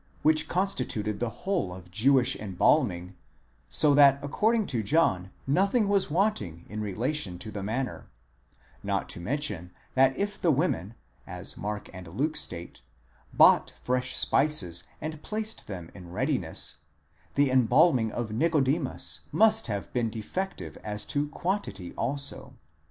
40), which constituted the whole of Jewish embalming, so that according to John nothing was wanting in relation to the manner; not to mention that if the women, as Mark and Luke state, bought fresh spices and placed them in readiness, the embalming of Nicodemus must have been defective as to quantity also.